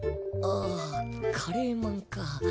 ああカレーまんか。